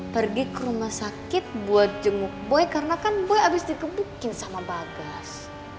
pergi ke rumah sakit buat jenguk boy karena kan boy habis dikebukin sama bagas